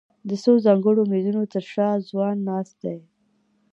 د څو ځانګړو مېزونو تر شا ځوانان ناست دي.